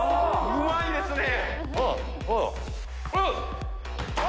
うまいですね。